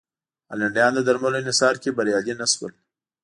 هالنډیان د درملو انحصار کې بریالي نه شول.